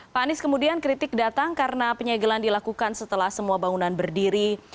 pak anies kemudian kritik datang karena penyegelan dilakukan setelah semua bangunan berdiri